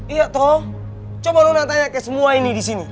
iya toh coba dong natanya ke semua ini di sini